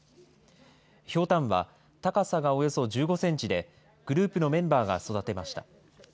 ひょうたんは、高さがおよそ１５センチで、グループのメンバーが育てました。